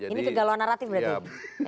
ini kegalauan naratif berarti